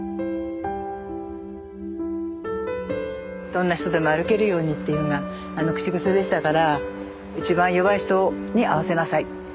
どんな人でも歩けるようにっていうのが口癖でしたから一番弱い人に合わせなさい。